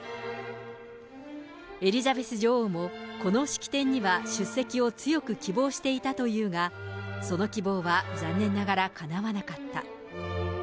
エリザベス女王も、この式典には出席を強く希望していたというが、その希望は残念ながらかなわなかった。